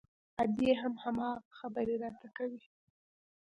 ادې هم هماغه خبرې راته کوي.